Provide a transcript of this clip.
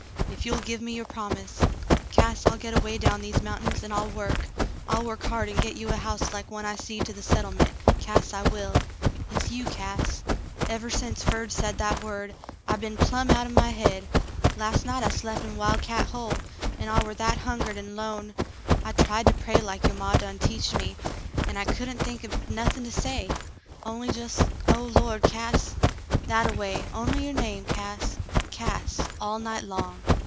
Ef you'll give me your promise, Cass, I'll get away down these mountains, an' I'll work ; I'll work hard an' get you a house like one I seed to the settlement, Cass, I will. Hit's you, Cass. Ever sence Ferd said that word, I be'n plumb out'n my hade. Las' night I slep' in Wild Cat Hole, an' I war that hungered an' lone, I tried to pray like your maw done teached me, an' I couldn' think of nothin' to say, on'y Frale's Confession 45 just, ' Oh, Lord, Cass !' That a way — on*y your name, Cass, Cass, all night long."